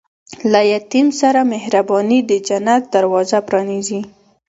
له یتیم سره مهرباني، د جنت دروازه پرانیزي.